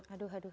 aduh aduh aduh